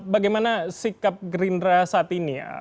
bagaimana sikap gerindra saat ini